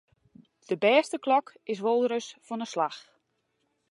De bêste klok is wolris fan 'e slach.